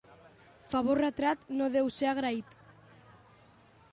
Favor retret no deu ser agraït.